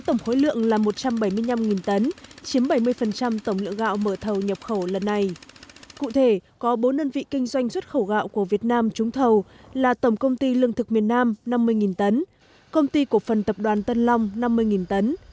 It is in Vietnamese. tổng công ty lương thực miền nam năm mươi tấn công ty cổ phần tập đoàn tân long năm mươi tấn